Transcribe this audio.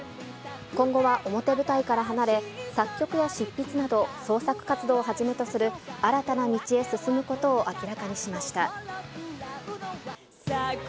今後は表舞台から離れ、作曲や執筆など創作活動をはじめとする新たな道へ進むことを明らかにしました。